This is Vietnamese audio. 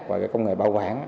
và cái công nghệ bảo quản